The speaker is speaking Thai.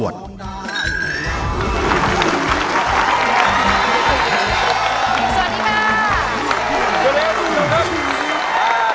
สวัสดีครับ